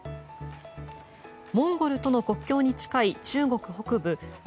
モンゴルとの国境に近い中国北部・内